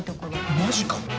マジか？